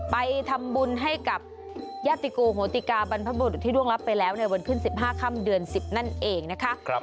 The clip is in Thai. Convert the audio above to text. ไปทำบุญให้กับญาติโกโหติกาบรรพบุรุษที่ร่วงรับไปแล้วในวันขึ้น๑๕ค่ำเดือน๑๐นั่นเองนะคะ